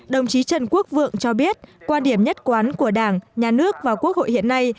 đồng chí trần quốc vượng cho biết quan điểm nhất quán của đảng nhà nước và quốc hội hiện nay